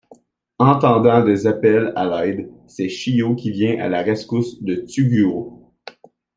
Entendant des appels à l'aide, c'est Chiyo qui vient à la rescousse de Tsuguo.